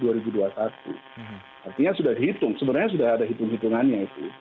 artinya sudah dihitung sebenarnya sudah ada hitung hitungannya itu